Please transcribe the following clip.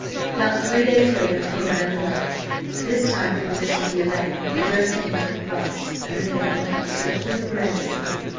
Not three days later came another letter, this time from Mr. Beauleigh, addressed to him at White's, under the name of Sir Hugh Grandison.